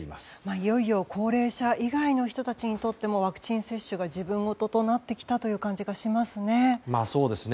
いよいよ高齢者以外の人たちにとってもワクチン接種が自分事となってきたという感じがしますね。